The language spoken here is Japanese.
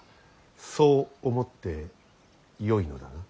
そう思ってよいのだな。